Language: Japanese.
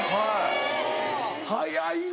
⁉早いなぁ。